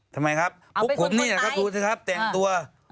ทำไมครับพวกผมนี่แหละครับดูสิครับแต่งตัว